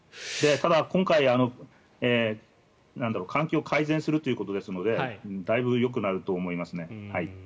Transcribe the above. ただ、今回、換気を改善するということですのでだいぶよくなると思いますね。